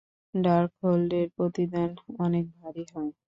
ডার্কহোল্ডের প্রতিদান অনেক ভারী হয়।